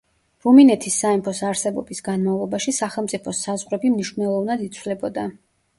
რუმინეთის სამეფოს არსებობის განმავლობაში სახელმწიფოს საზღვრები მნიშვნელოვნად იცვლებოდა.